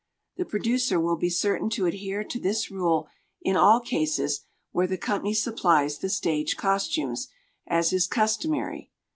The producer will be certain to adhere to this rule in all cases where the company supplies the stage costumes, as is customary.